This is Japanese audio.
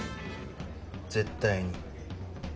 絶対に。